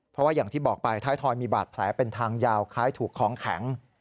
เพราะว่าอย่างที่บอกไปท้ายทอยมีบาดแผลเป็นทางยาวคล้ายถูกของแข็ง